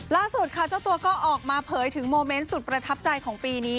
ล่าสุดค่ะเจ้าตัวก็ออกมาเผยถึงโมเมนต์สุดประทับใจของปีนี้